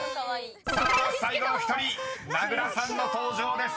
［さあ最後の１人名倉さんの登場です］